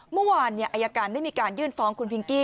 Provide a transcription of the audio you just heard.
เมื่อวานอายการได้มีการยื่นฟ้องคุณพิงกี้